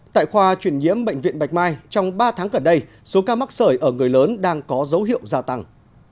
tại khoa chuyển nhiễm bệnh viện bạch mai trong ba tháng gần đây số ca mắc sởi ở người lớn đang có dấu hiệu gia tăng